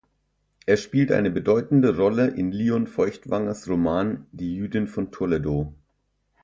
Er spielt eine bedeutende Rolle in Lion Feuchtwangers Roman Die Jüdin von Toledo.